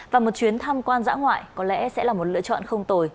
và một chuyến tham quan dã ngoại có lẽ sẽ là một lựa chọn không tồi